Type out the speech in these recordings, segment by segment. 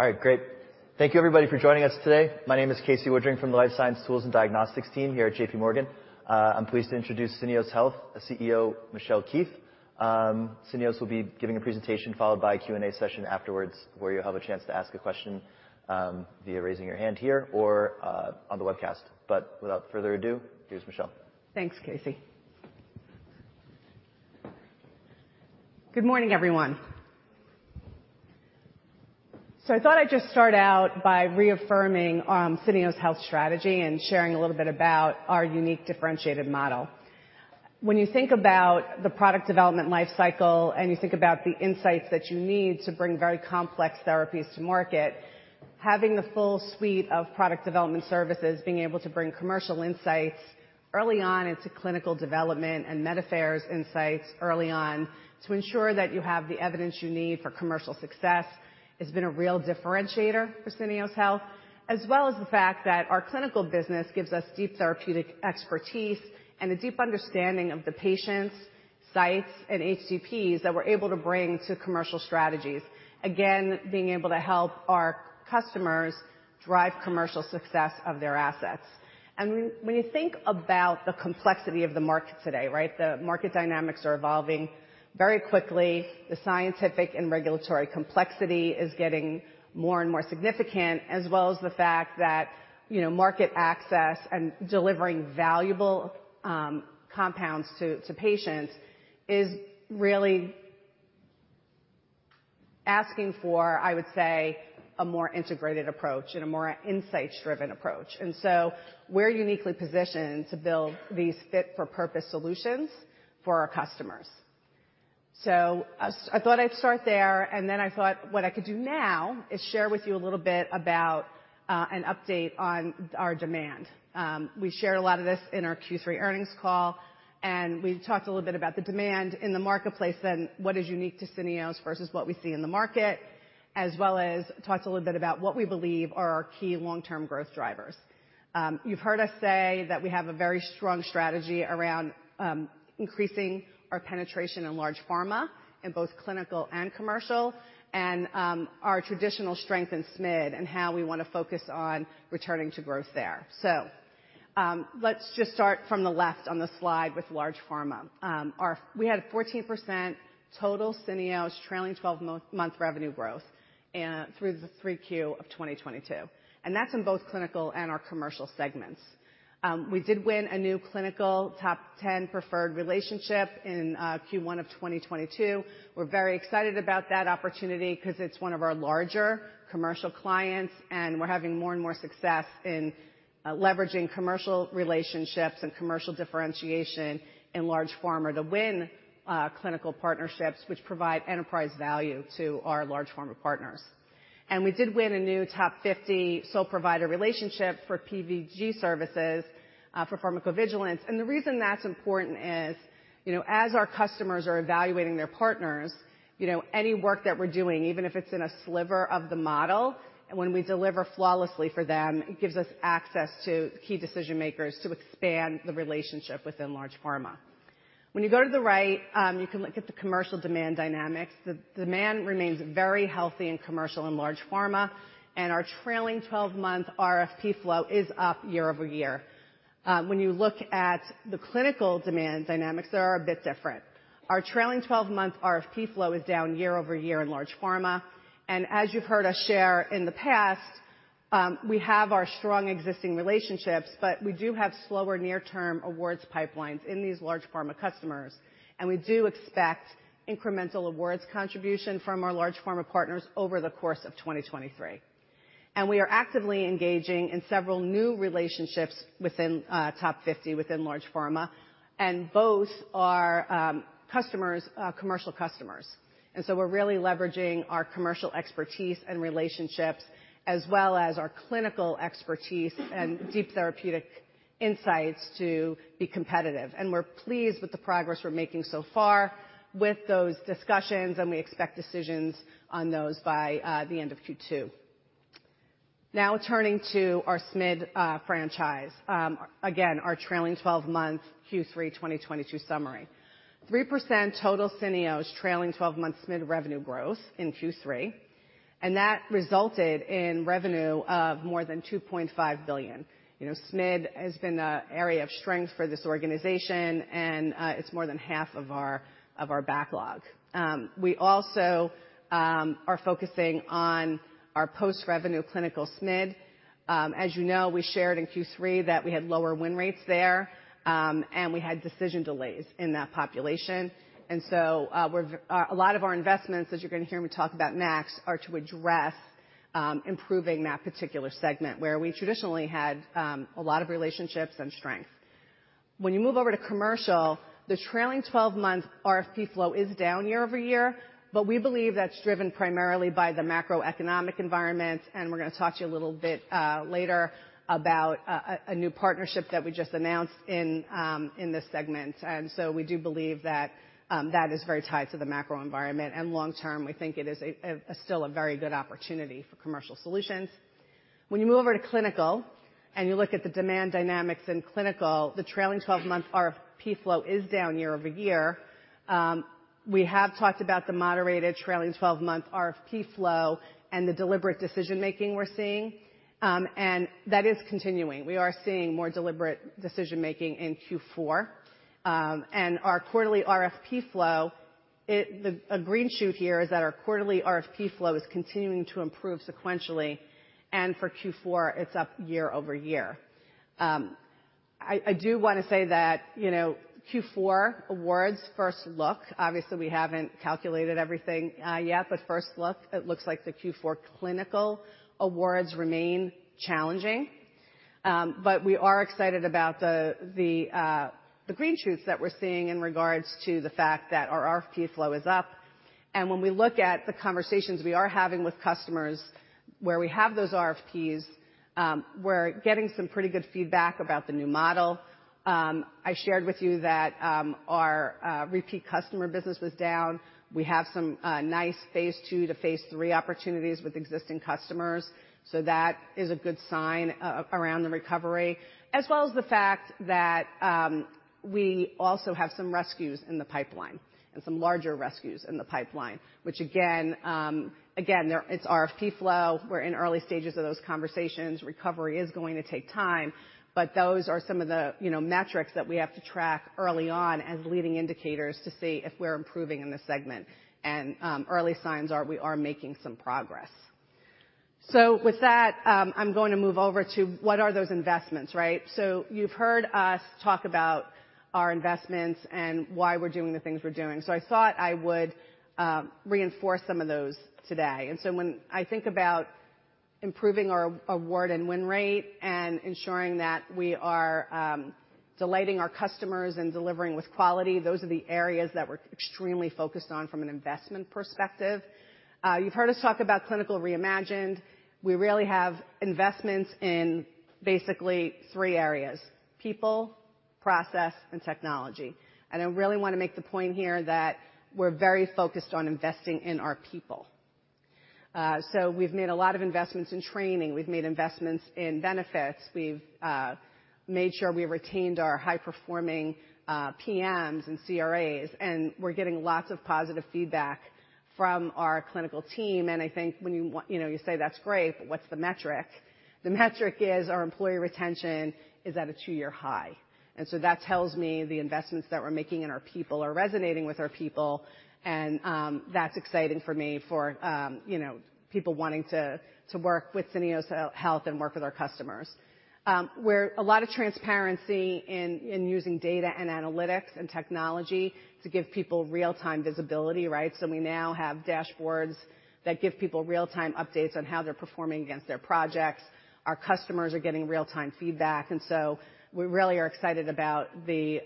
All right, great. Thank you, everybody, for joining us today. My name is Casey Woodring from the Life Science Tools and Diagnostics team here at JPMorgan. I'm pleased to introduce Syneos Health CEO, Michelle Keefe. Syneos will be giving a presentation followed by a Q&A session afterwards, where you'll have a chance to ask a question via raising your hand here or on the webcast. Without further ado, here's Michelle. Thanks, Casey. Good morning, everyone. I thought I'd just start out by reaffirming Syneos Health strategy and sharing a little bit about our unique differentiated model. When you think about the product development life cycle, and you think about the insights that you need to bring very complex therapies to market, having the full suite of product development services, being able to bring commercial insights early on into clinical development and med affairs insights early on to ensure that you have the evidence you need commercial success has been a real differentiator for Syneos Health, as well as the fact that our clinical business gives us deep therapeutic expertise and a deep understanding of the patients, sites, and HCPs that we're able to bring to commercial strategies. Again, being able to help our customers drive commercial success of their assets. When you think about the complexity of the market today, right? The market dynamics are evolving very quickly. The scientific and regulatory complexity is getting more and more significant, as well as the fact that, you know, market access and delivering valuable compounds to patients is really asking for, I would say, a more integrated approach and a more insights-driven approach. We're uniquely positioned to build these fit-for-purpose solutions for our customers. I thought I'd start there, and then I thought what I could do now is share with you a little bit about an update on our demand. We shared a lot of this in our Q3 earnings call. We talked a little bit about the demand in the marketplace then what is unique to Syneos versus what we see in the market, as well as talked a little bit about what we believe are our key long-term growth drivers. You've heard us say that we have a very strong strategy around increasing our penetration in large pharma in both clinical and commercial. Our traditional strength in SMID and how we wanna focus on returning to growth there. Let's just start from the left on the slide with large pharma. We had a 14% total Syneos trailing-12 month revenue growth through the 3Q of 2022. That's in both clinical and our commercial segments. We did win a new clinical top 10 preferred relationship in Q1 of 2022. We're very excited about that opportunity 'cause it's one of our larger commercial clients, and we're having more and more success in leveraging commercial relationships and commercial differentiation in large pharma to win clinical partnerships which provide enterprise value to our large pharma partners. We did win a new top 50 sole provider relationship for PVG services for pharmacovigilance. The reason that's important is, you know, as our customers are evaluating their partners, you know, any work that we're doing, even if it's in a sliver of the model, and when we deliver flawlessly for them, it gives us access to key decision-makers to expand the relationship within large pharma. When you go to the right, you can look at the commercial demand dynamics. The demand remains very healthy in commercial and large pharma, and our trailing-12 month RFP flow is up year-over-year. When you look at the clinical demand dynamics, they are a bit different. Our trailing-12 month RFP flow is down year-over-year in large pharma. As you've heard us share in the past, we have our strong existing relationships, but we do have slower near-term awards pipelines in these large pharma customers, and we do expect incremental awards contribution from our large pharma partners over the course of 2023. We are actively engaging in several new relationships within top 50 within large pharma, and both are customers, commercial customers. We're really leveraging our commercial expertise and relationships, as well as our clinical expertise and deep therapeutic insights to be competitive. We're pleased with the progress we're making so far with those discussions, and we expect decisions on those by the end of Q2. Turning to our SMID franchise. Again, our trailing-twelve-month Q3 2022 summary. 3% total Syneos trailing-twelve-month SMID revenue growth in Q3, and that resulted in revenue of more than $2.5 billion. You know, SMID has been a area of strength for this organization and it's more than half of our backlog. We also are focusing on our post-revenue clinical SMID. As you know, we shared in Q3 that we had lower win rates there, and we had decision delays in that population. A lot of our investments, as you're gonna hear me talk about next, are to address improving that particular segment, where we traditionally had a lot of relationships and strength. When you move over to commercial, the trailing-12 month RFP flow is down year-over-year, but we believe that's driven primarily by the macroeconomic environment. We're gonna talk to you a little bit later about a new partnership that we just announced in this segment. We do believe that that is very tied to the macro environment. Long term, we think it is still a very good opportunity for commercial solutions. When you move over to clinical and you look at the demand dynamics in clinical, the trailing-12 month RFP flow is down year-over-year. We have talked about the moderated trailing 12-month RFP flow and the deliberate decision-making we're seeing, that is continuing. We are seeing more deliberate decision-making in Q4. Our quarterly RFP flow, a green shoot here is that our quarterly RFP flow is continuing to improve sequentially, and for Q4 it's up year-over-year. I do wanna say that, you know, Q4 awards first look, obviously we haven't calculated everything yet, first look, it looks like the Q4 clinical awards remain challenging. We are excited about the green shoots that we're seeing in regards to the fact that our RFP flow is up. When we look at the conversations we are having with customers where we have those RFPs, we're getting some pretty good feedback about the new model. I shared with you that our repeat customer business was down. We have some nice Phase II to Phase III opportunities with existing customers, that is a good sign around the recovery. As well as the fact that we also have some rescues in the pipeline and some larger rescues in the pipeline, which again, it's RFP flow. We're in early stages of those conversations. Recovery is going to take time, but those are some of the, you know, metrics that we have to track early on as leading indicators to see if we're improving in the segment. Early signs are we are making some progress. With that, I'm going to move over to what are those investments, right? You've heard us talk about our investments and why we're doing the things we're doing. I thought I would reinforce some of those today. When I think about improving our award and win rate and ensuring that we are delighting our customers and delivering with quality, those are the areas that we're extremely focused on from an investment perspective. You've heard us talk about Clinical Reimagined. We really have investments in basically three areas: people, process, and technology. I really wanna make the point here that we're very focused on investing in our people. We've made a lot of investments in training. We've made investments in benefits. We've made sure we retained our high-performing PMs and CRAs, and we're getting lots of positive feedback from our clinical team. I think when you know, you say that's great, but what's the metric? The metric is our employee retention is at a two-year high. That tells me the investments that we're making in our people are resonating with our people, and that's exciting for me for, you know, people wanting to work with Syneos Health and work with our customers. We're a lot of transparency in using data and analytics and technology to give people real-time visibility, right? We now have dashboards that give people real-time updates on how they're performing against their projects. Our customers are getting real-time feedback, and so we really are excited about the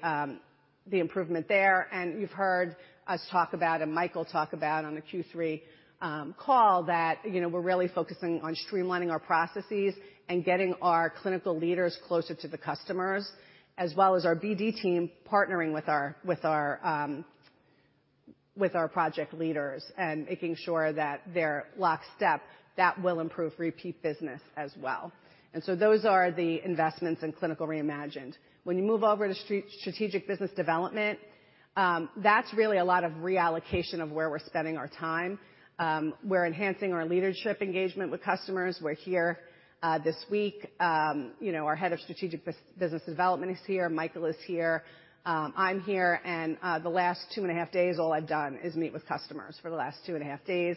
improvement there. You've heard us talk about, and Michael talk about on the Q3 call that, you know, we're really focusing on streamlining our processes and getting our clinical leaders closer to the customers, as well as our BD team partnering with our project leaders and making sure that they're lockstep. That will improve repeat business as well. Those are the investments in Clinical Reimagined. When you move over to strategic business development, that's really a lot of reallocation of where we're spending our time. We're enhancing our leadership engagement with customers. We're here this week. You know, our head of strategic business development is here. Michael is here. I'm here, and the last two and a half days all I've done is meet with customers for the last two and a half days.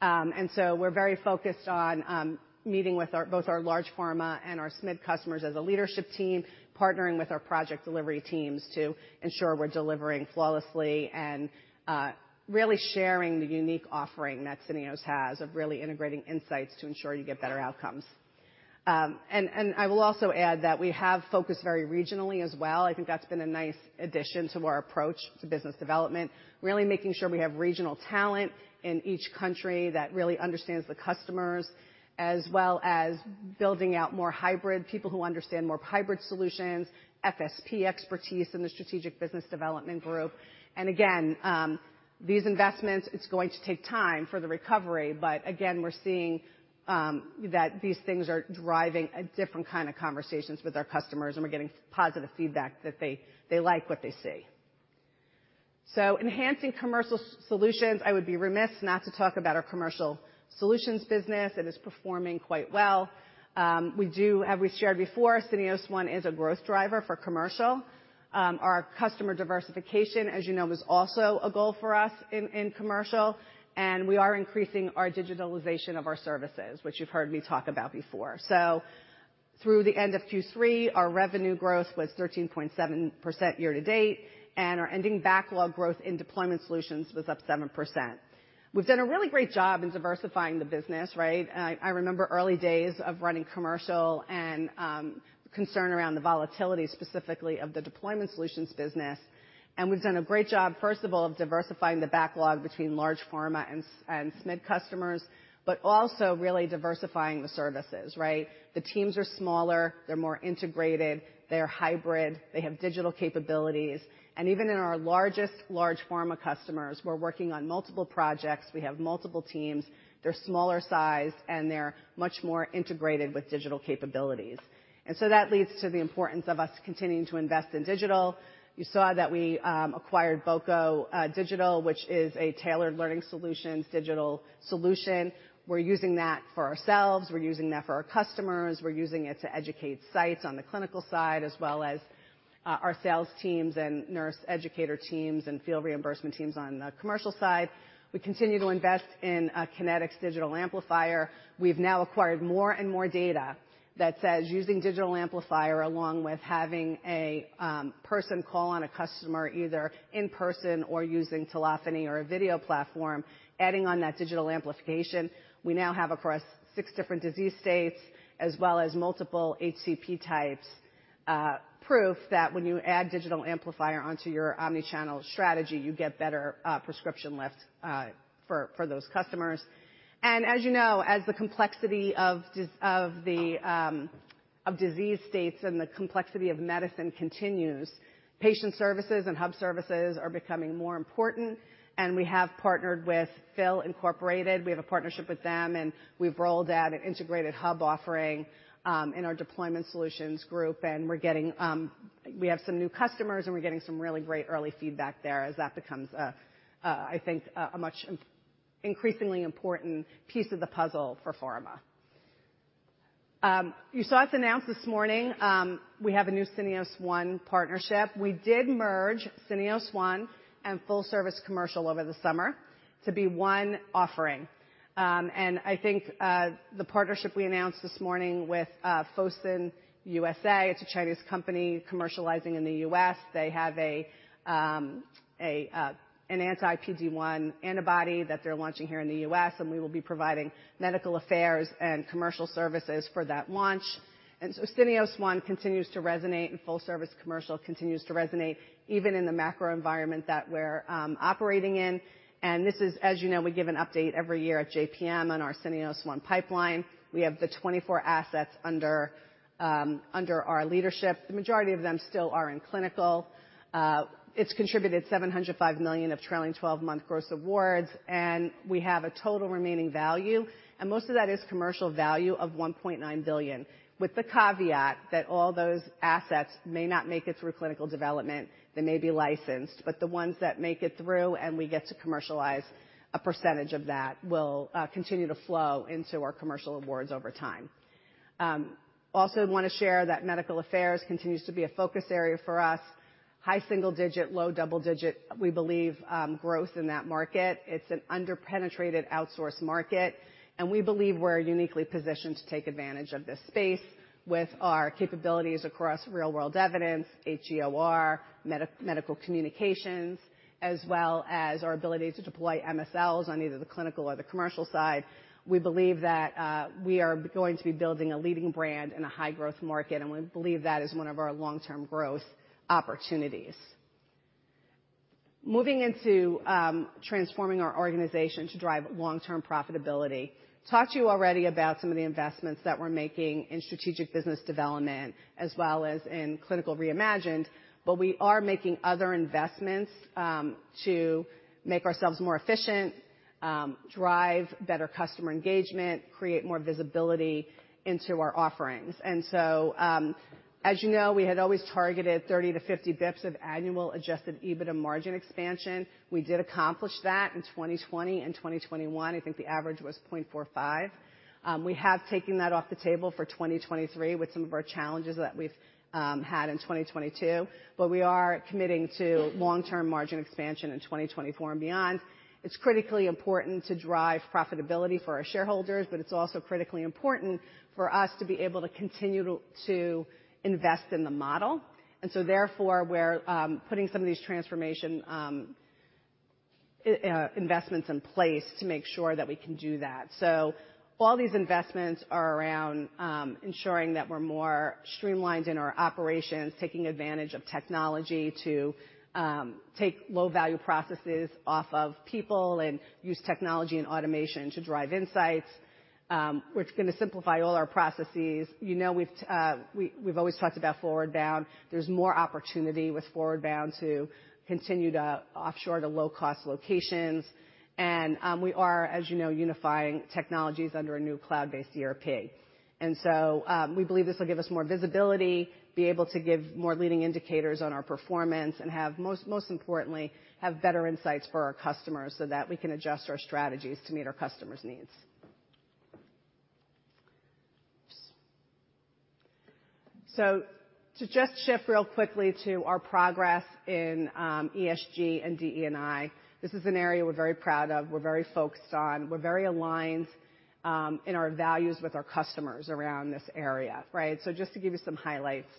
We're very focused on meeting with our, both our large pharma and our SMID customers as a leadership team, partnering with our project delivery teams to ensure we're delivering flawlessly and really sharing the unique offering that Syneos has of really integrating insights to ensure you get better outcomes. I will also add that we have focused very regionally as well. I think that's been a nice addition to our approach to business development. Really making sure we have regional talent in each country that really understands the customers, as well as building out more hybrid people who understand more hybrid solutions, FSP expertise in the strategic business development group. Again, these investments, it's going to take time for the recovery, but again, we're seeing that these things are driving a different kind of conversations with our customers, and we're getting positive feedback that they like what they see. Enhancing commercial solutions, I would be remiss not to talk about our commercial solutions business. It is performing quite well. As we shared before, Syneos One is a growth driver for commercial. Our customer diversification, as you know, was also a goal for us in commercial, and we are increasing our digitalization of our services, which you've heard me talk about before. Through the end of Q3, our revenue growth was 13.7% year-to-date, and our ending backlog growth in deployment solutions was up 7%. We've done a really great job in diversifying the business, right? I remember early days of running commercial and concern around the volatility, specifically of the deployment solutions business. We've done a great job, first of all, of diversifying the backlog between large pharma and SMID customers, but also really diversifying the services, right? The teams are smaller, they're more integrated, they're hybrid, they have digital capabilities. Even in our largest large pharma customers, we're working on multiple projects. We have multiple teams. They're smaller size, and they're much more integrated with digital capabilities. That leads to the importance of us continuing to invest in digital. You saw that we acquired Boco Digital, which is a tailored learning solutions digital solution. We're using that for ourselves. We're using that for our customers. We're using it to educate sites on the clinical side, as well as our sales teams and nurse educator teams and field reimbursement teams on the commercial side. We continue to invest in Kinetic Digital Amplifier. We've now acquired more and more data that says using Digital Amplifier along with having a person call on a customer, either in person or using telephony or a video platform, adding on that digital amplification. We now have across six different disease states as well as multiple HCP types, proof that when you add Digital Amplifier onto your omnichannel strategy, you get better prescription lifts for those customers. As you know, as the complexity of the disease states and the complexity of medicine continues, patient services and hub services are becoming more important, and we have partnered with Phil, Inc. We have a partnership with them, and we've rolled out an integrated hub offering in our deployment solutions group, and we're getting, we have some new customers, and we're getting some really great early feedback there as that becomes a, I think, an increasingly important piece of the puzzle for pharma. You saw us announce this morning, we have a new Syneos One partnership. We did merge Syneos One and Full-Service Commercial over the summer to be one offering. I think the partnership we announced this morning with Fosun USA, it's a Chinese company commercializing in the U.S. They have an anti-PD-1 antibody that they're launching here in the U.S. We will be providing medical affairs and commercial services for that launch. Syneos One continues to resonate, and Full-Service Commercial continues to resonate even in the macro environment that we're operating in. This is, as you know, we give an update every year at JPM on our Syneos One pipeline. We have the 24 assets under our leadership. The majority of them still are in clinical. It's contributed $705 million of trailing twelve-month gross awards, and we have a total remaining value, and most of that is commercial value of $1.9 billion, with the caveat that all those assets may not make it through clinical development. They may be licensed. The ones that make it through and we get to commercialize, a percentage of that will continue to flow into our commercial awards over time. Also wanna share that medical affairs continues to be a focus area for us. High single-digit, low double-digit, we believe, growth in that market. It's an under-penetrated outsourced market, and we believe we're uniquely positioned to take advantage of this space with our capabilities across real-world evidence, HEOR, medical communications, as well as our ability to deploy MSLs on either the clinical or the commercial side. We believe that we are going to be building a leading brand in a high-growth market, and we believe that is one of our long-term growth opportunities. Moving into transforming our organization to drive long-term profitability. Talked to you already about some of the investments that we're making in strategic business development as well as in Clinical Reimagined, but we are making other investments to make ourselves more efficient, drive better customer engagement, create more visibility into our offerings. As you know, we had always targeted 30-50 bps of annual adjusted EBITDA margin expansion. We did accomplish that in 2020 and 2021. I think the average was 0.45. We have taken that off the table for 2023 with some of our challenges that we've had in 2022, but we are committing to long-term margin expansion in 2024 and beyond. It's critically important to drive profitability for our shareholders, but it's also critically important for us to be able to continue to invest in the model. Therefore, we're putting some of these transformation investments in place to make sure that we can do that. All these investments are around ensuring that we're more streamlined in our operations, taking advantage of technology to take low-value processes off of people and use technology and automation to drive insights, which is gonna simplify all our processes. You know, we've always talked about ForwardBound. There's more opportunity with ForwardBound to continue to offshore to low-cost locations. We are, as you know, unifying technologies under a new cloud-based ERP. We believe this will give us more visibility, be able to give more leading indicators on our performance, and have most importantly, have better insights for our customers so that we can adjust our strategies to meet our customers' needs. Just to shift real quickly to our progress in ESG and DE&I. This is an area we're very proud of, we're very focused on. We're very aligned in our values with our customers around this area, right? Just to give you some highlights.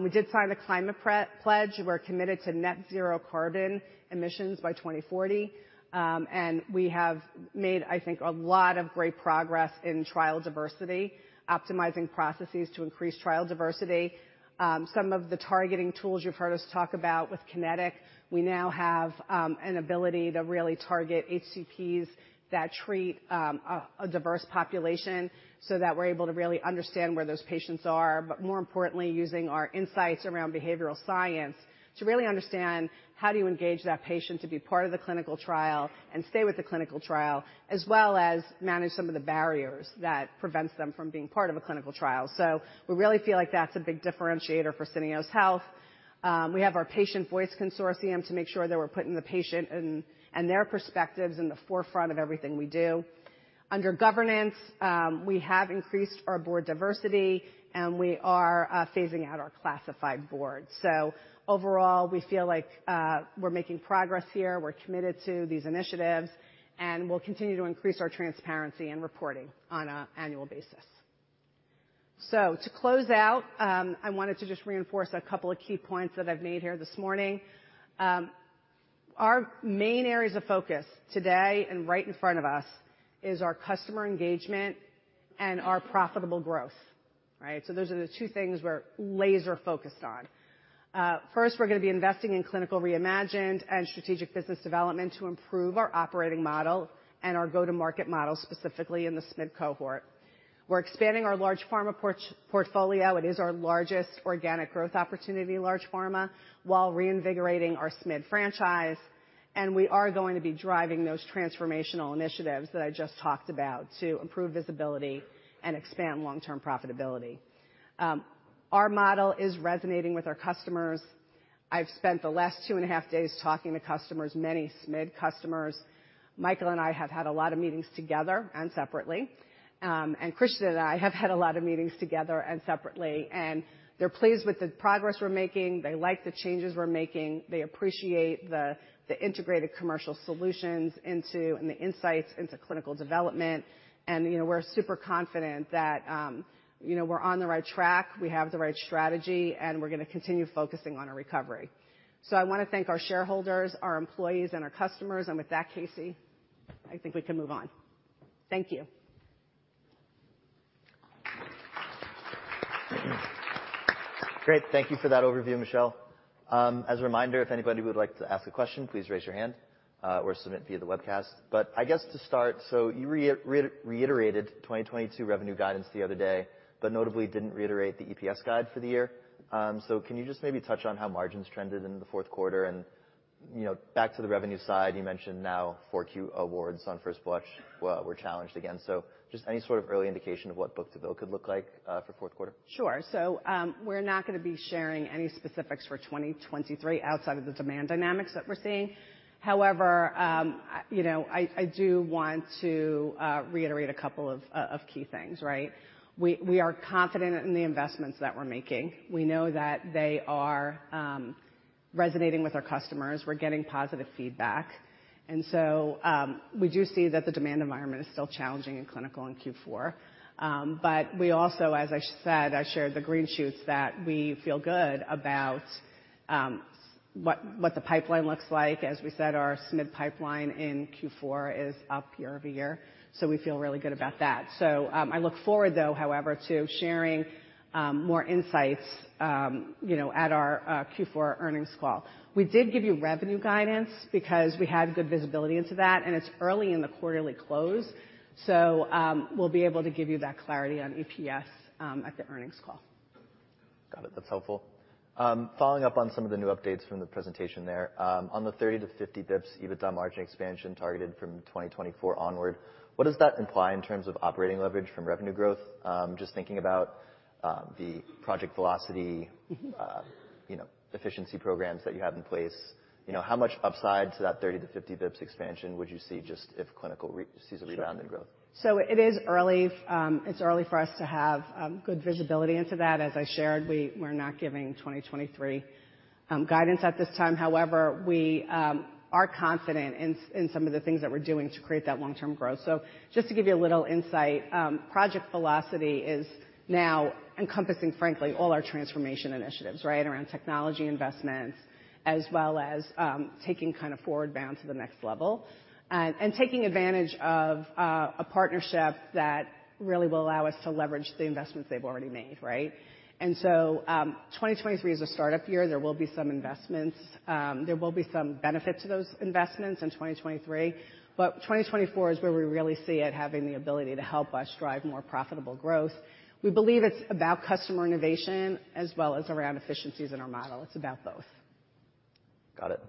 We did sign the Climate Pledge. We're committed to net zero carbon emissions by 2040. We have made, I think, a lot of great progress in trial diversity, optimizing processes to increase trial diversity. Some of the targeting tools you've heard us talk about with Kinetic. We now have an ability to really target HCPs that treat a diverse population so that we're able to really understand where those patients are. More importantly, using our insights around behavioral science to really understand how do you engage that patient to be part of the clinical trial and stay with the clinical trial, as well as manage some of the barriers that prevents them from being part of a clinical trial. We really feel like that's a big differentiator for Syneos Health. We have our Patient Voice Consortium to make sure that we're putting the patient and their perspectives in the forefront of everything we do. Under governance, we have increased our board diversity, and we are phasing out our classified board. Overall, we feel like we're making progress here. We're committed to these initiatives, and we'll continue to increase our transparency and reporting on a annual basis. To close out, I wanted to just reinforce a couple of key points that I've made here this morning. Our main areas of focus today and right in front of us is our customer engagement and our profitable growth. Right? Those are the two things we're laser focused on. First, we're gonna be investing in Clinical Reimagined and strategic business development to improve our operating model and our go-to-market model, specifically in the SMID cohort. We're expanding our large pharma portfolio. It is our largest organic growth opportunity, large pharma, while reinvigorating our SMID franchise. We are going to be driving those transformational initiatives that I just talked about to improve visibility and expand long-term profitability. Our model is resonating with our customers. I've spent the last 2.5 days talking to customers, many SMID customers. Michael and I have had a lot of meetings together and separately, and Christian and I have had a lot of meetings together and separately. They're pleased with the progress we're making. They like the changes we're making. They appreciate the integrated commercial solutions and the insights into clinical development. You know, we're super confident that, you know, we're on the right track, we have the right strategy, and we're gonna continue focusing on our recovery. I wanna thank our shareholders, our employees and our customers. With that, Casey, I think we can move on. Thank you. Great. Thank you for that overview, Michelle. As a reminder, if anybody would like to ask a question, please raise your hand or submit via the webcast. I guess to start, you reiterated 2022 revenue guidance the other day, but notably didn't reiterate the EPS guide for the year. Can you just maybe touch on how margins trended into the fourth quarter? You know, back to the revenue side, you mentioned now 4Q awards on first blush were challenged again. Just any sort of early indication of what book-to-bill could look like for fourth quarter? Sure. We're not gonna be sharing any specifics for 2023 outside of the demand dynamics that we're seeing. However, you know, I do want to reiterate a couple of key things, right? We are confident in the investments that we're making. We know that they are resonating with our customers. We're getting positive feedback. We do see that the demand environment is still challenging in clinical in Q4. We also, as I said, I shared the green shoots that we feel good about, what the pipeline looks like. As we said, our SMID pipeline in Q4 is up year-over-year. We feel really good about that. I look forward though, however, to sharing more insights, you know, at our Q4 earnings call. We did give you revenue guidance because we had good visibility into that, and it's early in the quarterly close. We'll be able to give you that clarity on EPS at the earnings call. Got it. That's helpful. Following up on some of the new updates from the presentation there. On the 30 to 50 basis points EBITDA margin expansion targeted from 2024 onward, what does that imply in terms of operating leverage from revenue growth? Just thinking about the Project Velocity. Mm-hmm. You know, efficiency programs that you have in place. You know, how much upside to that 30-50 basis points expansion would you see just if clinical sees a rebound in growth? It is early. It's early for us to have good visibility into that. As I shared, we're not giving 2023 guidance at this time. However, we are confident in some of the things that we're doing to create that long-term growth. Just to give you a little insight, Project Velocity is now encompassing, frankly, all our transformation initiatives, right? Around technology investments, as well as taking kind of ForwardBound to the next level. Taking advantage of a partnership that really will allow us to leverage the investments they've already made, right? 2023 is a startup year. There will be some investments. There will be some benefit to those investments in 2023, but 2024 is where we really see it having the ability to help us drive more profitable growth. We believe it's about customer innovation as well as around efficiencies in our model. It's about both. Got it.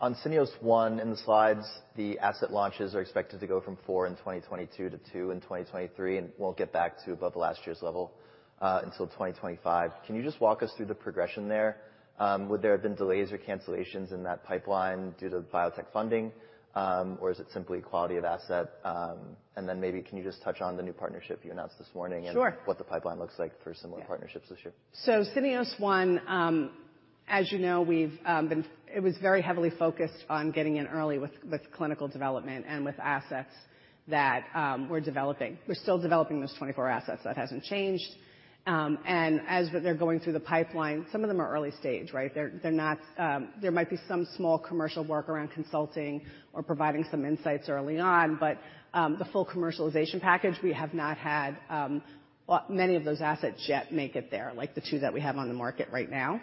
On Syneos One in the slides, the asset launches are expected to go from four in 2022 to two in 2023, and won't get back to above last year's level until 2025. Can you just walk us through the progression there? Would there have been delays or cancellations in that pipeline due to the biotech funding? Is it simply quality of asset? Then maybe can you just touch on the new partnership you announced this morning. Sure. What the pipeline looks like for similar partnerships this year? Syneos One, you know, it was very heavily focused on getting in early with clinical development and with assets that we're developing. We're still developing those 24 assets. That hasn't changed. As they're going through the pipeline, some of them are early stage, right? There might be some small commercial work around consulting or providing some insights early on, but the full commercialization package, we have not had many of those assets yet make it there, like the two that we have on the market right now.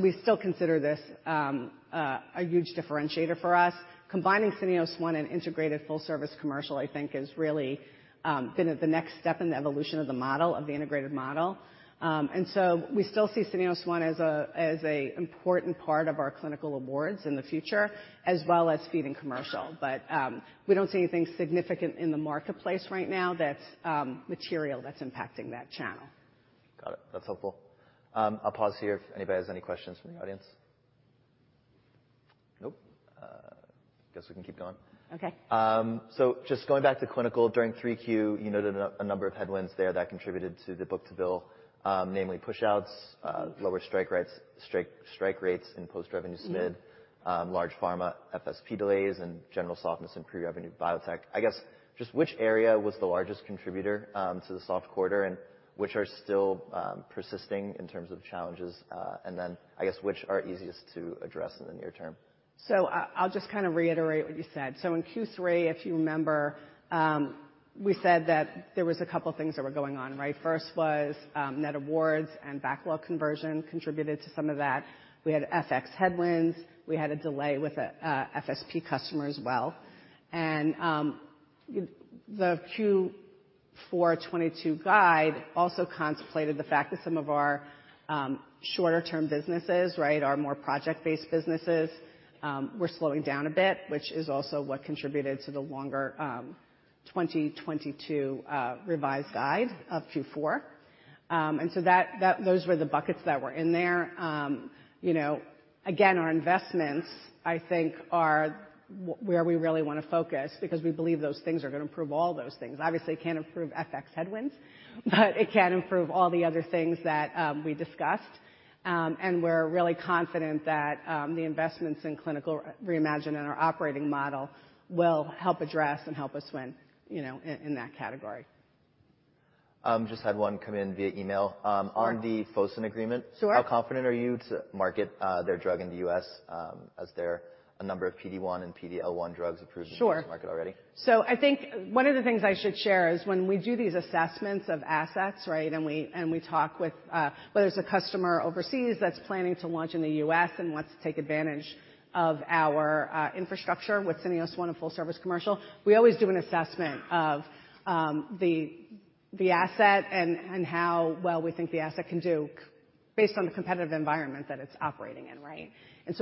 We still consider this a huge differentiator for us. Combining Syneos One and integrated Full-Service Commercial, I think is really the next step in the evolution of the model, of the integrated model. We still see Syneos One as a important part of our clinical awards in the future, as well as feeding commercial. We don't see anything significant in the marketplace right now that's, material that's impacting that channel. Got it. That's helpful. I'll pause here if anybody has any questions from the audience. Nope. Guess we can keep going. Okay. Just going back to clinical, during 3Q, you noted a number of headwinds there that contributed to the book-to-bill, namely pushouts, lower strike rates in post-revenue SMID, large pharma, FSP delays, and general softness in pre-revenue biotech. I guess, just which area was the largest contributor to the soft quarter and which are still persisting in terms of challenges? Then I guess, which are easiest to address in the near term? I'll just kind of reiterate what you said. In Q3, if you remember, we said that there was a couple of things that were going on, right? First was, net awards and backlog conversion contributed to some of that. We had FX headwinds. We had a delay with a FSP customer as well. The Q4 2022 guide also contemplated the fact that some of our shorter term businesses, right, our more project-based businesses, were slowing down a bit, which is also what contributed to the longer 2022 revised guide of Q4. Those were the buckets that were in there. You know, again, our investments, I think, are where we really wanna focus because we believe those things are gonna improve all those things. Obviously, it can't improve FX headwinds, but it can improve all the other things that we discussed. We're really confident that the investments in Clinical Reimagined and our operating model will help address and help us win, you know, in that category. Just had one come in via email. Sure. On the Fosun agreement. Sure. How confident are you to market their drug in the U.S. as there are a number of PD1 and PDL1 drugs approved-? Sure In this market already. I think one of the things I should share is when we do these assessments of assets, right? We talk with, whether it's a customer overseas that's planning to launch in the U.S. and wants to take advantage of our infrastructure with Syneos One and Full-Service Commercial, we always do an assessment of the asset and how well we think the asset can do based on the competitive environment that it's operating in, right?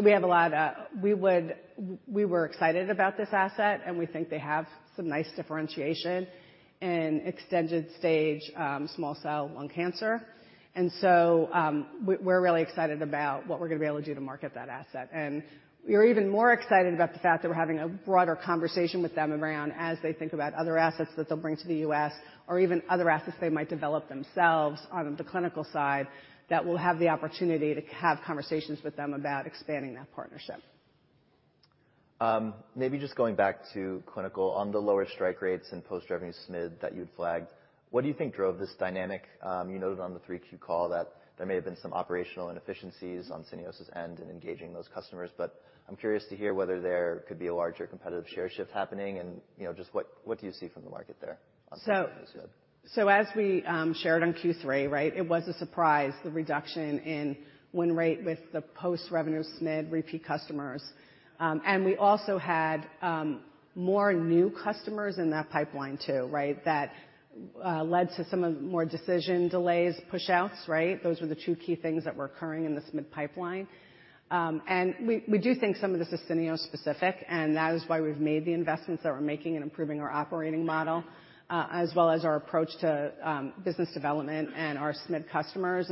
We have a lot of. We were excited about this asset, and we think they have some nice differentiation in extended stage, small cell lung cancer. We're, we're really excited about what we're gonna be able to do to market that asset. We're even more excited about the fact that we're having a broader conversation with them around as they think about other assets that they'll bring to the U.S. or even other assets they might develop themselves on the clinical side that we'll have the opportunity to have conversations with them about expanding that partnership. Maybe just going back to clinical. On the lower strike rates and post-revenue SMID that you'd flagged, what do you think drove this dynamic? You noted on the 3Q call that there may have been some operational inefficiencies on Syneos end in engaging those customers, but I'm curious to hear whether there could be a larger competitive share shift happening. You know, just what do you see from the market there on SMID? As we shared on Q3, right, it was a surprise, the reduction in win rate with the post-revenue SMID repeat customers. We also had more new customers in that pipeline, too, right? That led to some of more decision delays, pushouts, right? Those were the two key things that were occurring in the SMID pipeline. We do think some of this is Syneos specific, and that is why we've made the investments that we're making in improving our operating model, as well as our approach to business development and our SMID customers.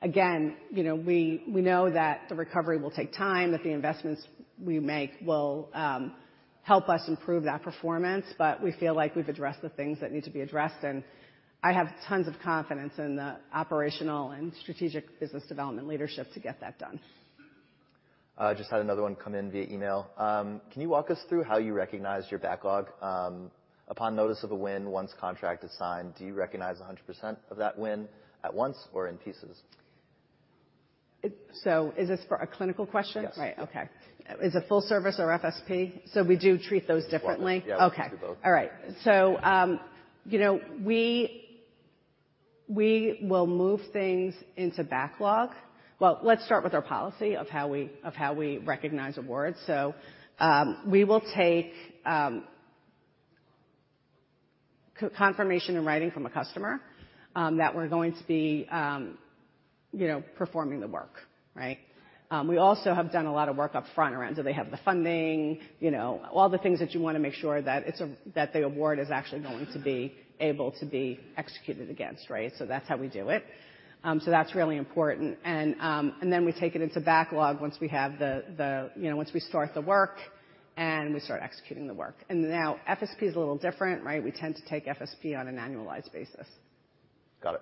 Again, you know, we know that the recovery will take time, that the investments we make will help us improve that performance, but we feel like we've addressed the things that need to be addressed. I have tons of confidence in the operational and strategic business development leadership to get that done. Just had another one come in via email. Can you walk us through how you recognized your backlog upon notice of a win once contract is signed? Do you recognize 100% of that win at once or in pieces? Is this for a clinical question? Yes. Right. Okay. Is it Full-Service or FSP? We do treat those differently. Yes. Okay. Do both. All right. You know, we will move things into backlog. Well, let's start with our policy of how we recognize awards. We will take co-confirmation in writing from a customer that we're going to be, you know, performing the work, right? We also have done a lot of work up front around, do they have the funding? You know, all the things that you wanna make sure that the award is actually going to be able to be executed against, right? That's how we do it. That's really important. And then we take it into backlog once we have the, you know, once we start the work and we start executing the work. Now FSP is a little different, right? We tend to take FSP on an annualized basis. Got it.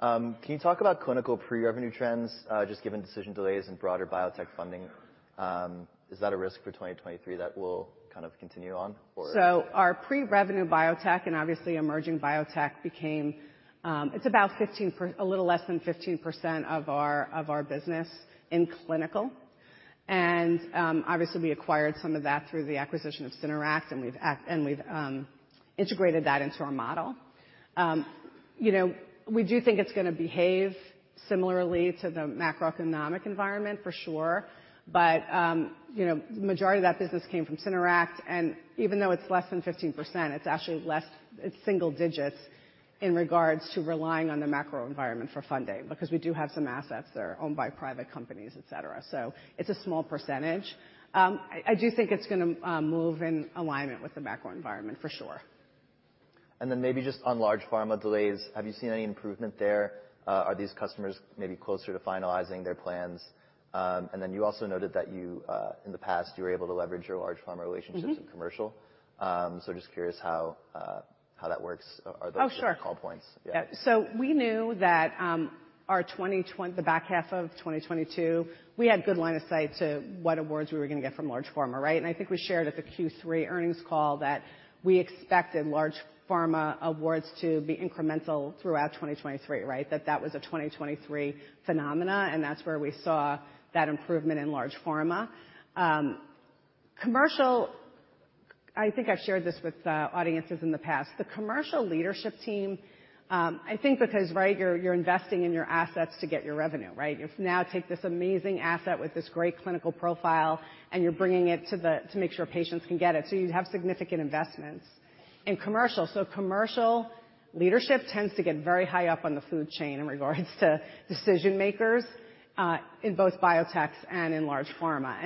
Can you talk about clinical pre-revenue trends, just given decision delays and broader biotech funding, is that a risk for 2023 that will kind of continue on or? Our pre-revenue biotech and obviously emerging biotech became. It's about a little less than 15% of our, of our business in clinical. Obviously, we acquired some of that through the acquisition of Synteract, and we've integrated that into our model. You know, we do think it's gonna behave similarly to the macroeconomic environment for sure. You know, majority of that business came from Synteract, and even though it's less than 15%, it's actually less. It's single digits in regards to relying on the macro environment for funding because we do have some assets that are owned by private companies, et cetera. It's a small percentage. I do think it's gonna move in alignment with the macro environment for sure. Maybe just on large pharma delays, have you seen any improvement there? Are these customers maybe closer to finalizing their plans? You also noted that you, in the past, you were able to leverage your large pharma relationships. Mm-hmm. In commercial. Just curious how that works. Are those- Oh, sure. Call points? Yeah. We knew that, the back half of 2022, we had good line of sight to what awards we were gonna get from large pharma, right? I think we shared at the Q3 earnings call that we expected large pharma awards to be incremental throughout 2023, right? That was a 2023 phenomena, and that's where we saw that improvement in large pharma. Commercial. I think I've shared this with audiences in the past. The commercial leadership team, I think because, right, you're investing in your assets to get your revenue, right? You now take this amazing asset with this great clinical profile, and you're bringing it to make sure patients can get it. You have significant investments in commercial. Commercial leadership tends to get very high up on the food chain in regards to decision makers in both biotechs and in large pharma.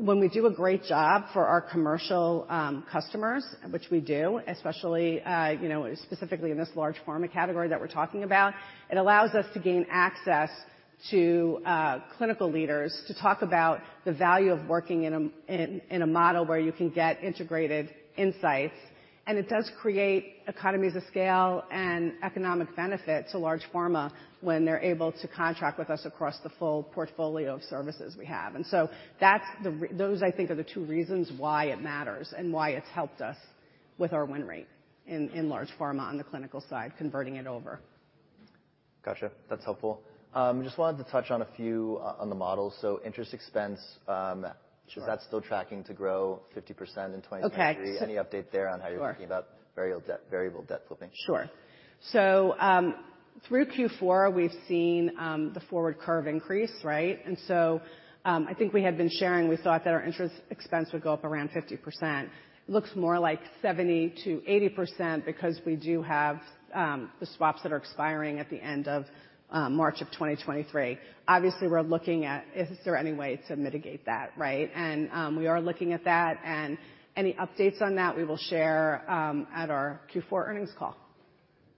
When we do a great job for our commercial customers, which we do, especially, you know, specifically in this large pharma category that we're talking about, it allows us to gain access to clinical leaders to talk about the value of working in a model where you can get integrated insights. It does create economies of scale and economic benefit to large pharma when they're able to contract with us across the full portfolio of services we have. That's those, I think, are the two reasons why it matters and why it's helped us with our win rate in large pharma on the clinical side, converting it over. Gotcha. That's helpful. Just wanted to touch on a few on the models. Interest expense. Sure. Is that still tracking to grow 50% in 2023? Okay. Any update there on how? Sure. You're thinking about variable debt, variable debt flipping? Sure. Through Q4, we've seen the forward curve increase, right? I think we had been sharing we thought that our interest expense would go up around 50%. Looks more like 70%-80% because we do have the swaps that are expiring at the end of March of 2023. Obviously, we're looking at is there any way to mitigate that, right? We are looking at that and any updates on that we will share at our Q4 earnings call.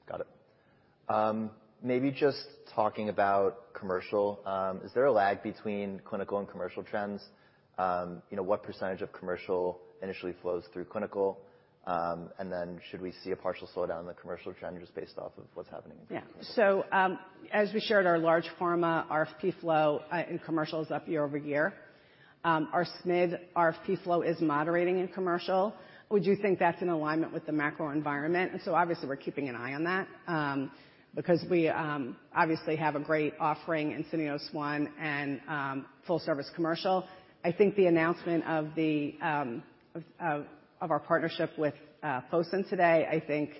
Got it. Maybe just talking about commercial. Is there a lag between clinical and commercial trends? You know, what percentage of commercial initially flows through clinical? Should we see a partial slowdown in the commercial trend just based off of what's happening in clinical? Yeah. As we shared our large pharma RFP flow in commercial is up year-over-year. Our SMid RFP flow is moderating in commercial. We do think that's in alignment with the macro environment, obviously we're keeping an eye on that because we obviously have a great offering in Syneos One and Full-Service Commercial. I think the announcement of the of our partnership with Fosun today, I think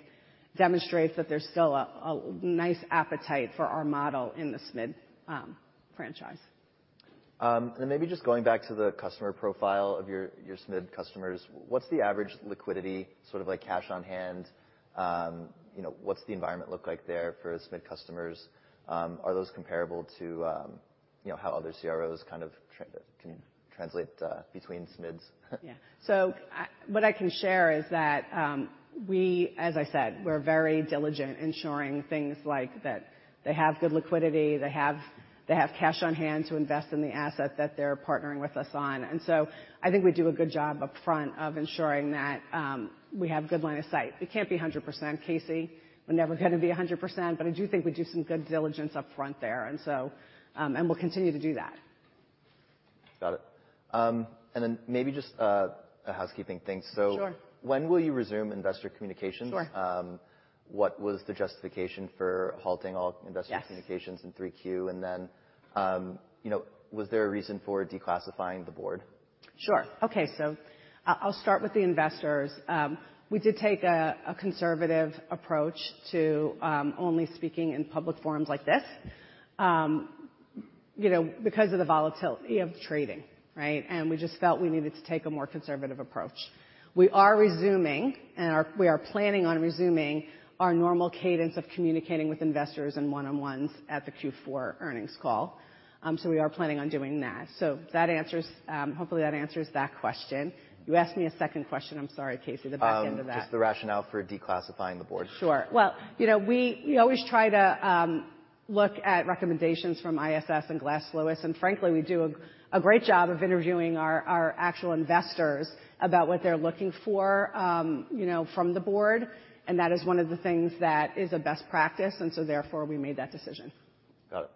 demonstrates that there's still a nice appetite for our model in the SMid franchise. Then maybe just going back to the customer profile of your SMID customers. What's the average liquidity, sort of like cash on hand? You know, what's the environment look like there for SMID customers? Are those comparable to, you know, how other CROs can translate, between SMIDs? Yeah. What I can share is that we, as I said, we're very diligent ensuring things like that they have good liquidity, they have cash on hand to invest in the asset that they're partnering with us on. I think we do a good job upfront of ensuring that we have good line of sight. It can't be 100%, Casey. We're never gonna be 100%. I do think we do some good diligence upfront there and we'll continue to do that. Got it. Maybe just a housekeeping thing. Sure. When will you resume investor communications? Sure. What was the justification for halting all investor-? Yes. Communications in 3Q? Then, you know, was there a reason for declassifying the board? Sure. Okay. I'll start with the investors. We did take a conservative approach to, only speaking in public forums like this, you know, because of the volatility of trading, right? We just felt we needed to take a more conservative approach. We are resuming, and we are planning on resuming our normal cadence of communicating with investors and one-on-ones at the Q4 earnings call. We are planning on doing that. That answers, hopefully that answers that question. You asked me a second question. I'm sorry, Casey, the back end of that. Just the rationale for declassifying the board. Sure. Well, you know, we always try to look at recommendations from ISS and Glass Lewis. Frankly, we do a great job of interviewing our actual investors about what they're looking for, you know, from the board. Therefore, we made that decision. Got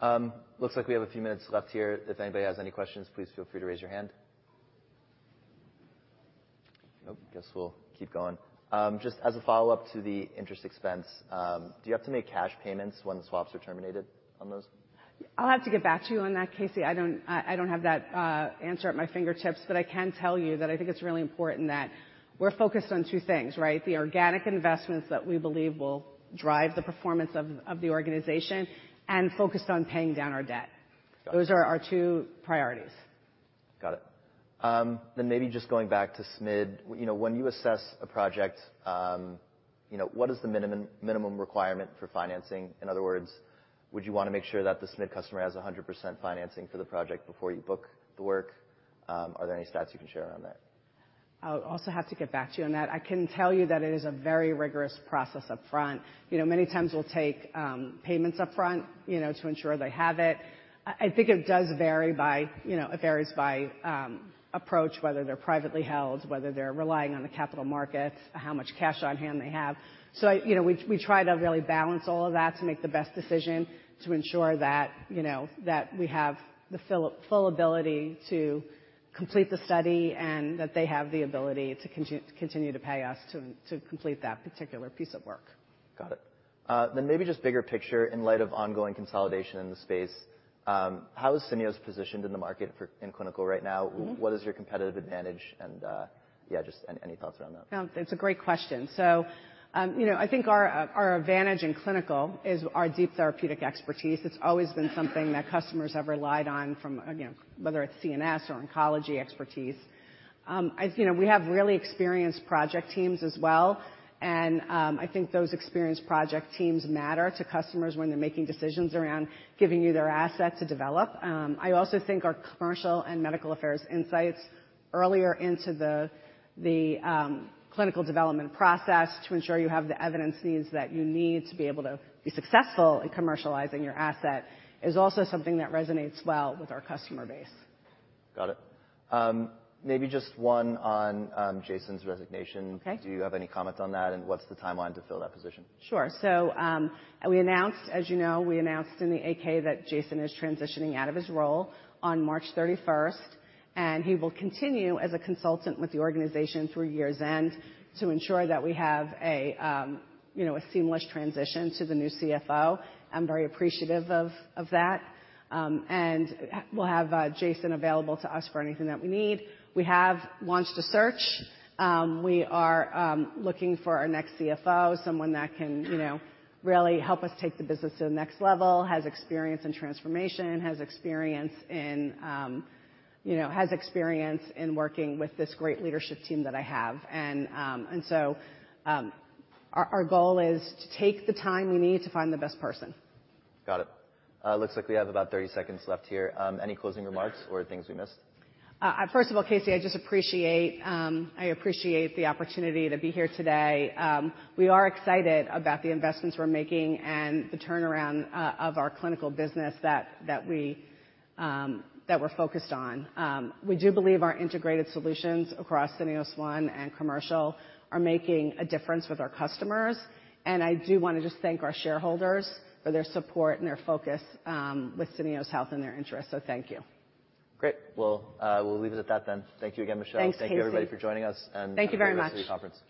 it. Looks like we have a few minutes left here. If anybody has any questions, please feel free to raise your hand. Nope. Guess we'll keep going. Just as a follow-up to the interest expense, do you have to make cash payments when the swaps are terminated on those? I'll have to get back to you on that, Casey. I don't have that answer at my fingertips. I can tell you that I think it's really important that we're focused on two things, right? The organic investments that we believe will drive the performance of the organization, and focused on paying down our debt. Got it. Those are our two priorities. Got it. Maybe just going back to SMID. You know, when you assess a project, you know, what is the minimum requirement for financing? In other words, would you wanna make sure that the SMID customer has 100% financing for the project before you book the work? Are there any stats you can share around that? I'll also have to get back to you on that. I can tell you that it is a very rigorous process up front. You know, many times we'll take payments up front, you know, to ensure they have it. I think it does vary by, you know, it varies by approach, whether they're privately held, whether they're relying on the capital markets, how much cash on hand they have. You know, we try to really balance all of that to make the best decision to ensure that, you know, that we have the full ability to complete the study and that they have the ability to continue to pay us to complete that particular piece of work. Got it. maybe just bigger picture. In light of ongoing consolidation in the space, how is Syneos positioned in the market in clinical right now? Mm-hmm. What is your competitive advantage? yeah, just any thoughts around that? It's a great question. You know, I think our advantage in clinical is our deep therapeutic expertise. It's always been something that customers have relied on from, again, whether it's CNS or oncology expertise. As you know, we have really experienced project teams as well, and, I think those experienced project teams matter to customers when they're making decisions around giving you their asset to develop. I also think our commercial and medical affairs insights earlier into the clinical development process to ensure you have the evidence needs that you need to be able to be successful in commercializing your asset is also something that resonates well with our customer base. Got it. Maybe just one on Jason's resignation. Okay. Do you have any comment on that, and what's the timeline to fill that position? Sure. As you know, we announced in the 8-K that Jason is transitioning out of his role on March thirty-first, and he will continue as a consultant with the organization through year's end to ensure that we have a, you know, a seamless transition to the new CFO. I'm very appreciative of that. We'll have Jason available to us for anything that we need. We have launched a search. We are looking for our next CFO, someone that can, you know, really help us take the business to the next level, has experience in transformation, has experience in, you know, has experience in working with this great leadership team that I have. Our goal is to take the time we need to find the best person. Got it. Looks like we have about 30 seconds left here. Any closing remarks or things we missed? First of all, Casey, I just appreciate, I appreciate the opportunity to be here today. We are excited about the investments we're making and the turnaround of our clinical business that we're focused on. We do believe our integrated solutions across Syneos One and Commercial are making a difference with our customers. I do wanna just thank our shareholders for their support and their focus, with Syneos Health and their interests. Thank you. Great. Well, we'll leave it at that then. Thank you again, Michelle. Thanks, Casey. Thank you, everybody for joining us. Thank you very much. Thank you for the conference.